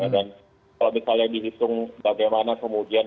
kalau misalnya dihitung bagaimana kemudian